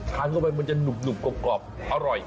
ทานเข้าไปมันจะหนุบกรอบอร่อย